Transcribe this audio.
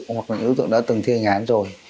hoặc là đối tượng đã từng thi hành án rồi